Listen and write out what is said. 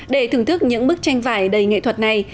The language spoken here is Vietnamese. để thưởng thức những bức tranh vải đầy nghệ thuật này